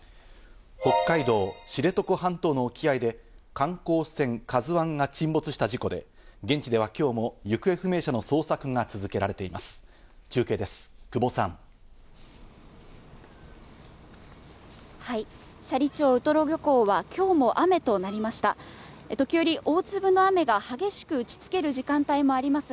北海道知床半島の沖合で観光船「ＫＡＺＵ１」が沈没した事故で、現地では今日も行方不明者の捜索が続けられています。